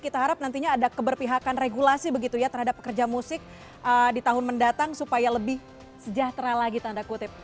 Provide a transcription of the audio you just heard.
kita harap nantinya ada keberpihakan regulasi begitu ya terhadap pekerja musik di tahun mendatang supaya lebih sejahtera lagi tanda kutip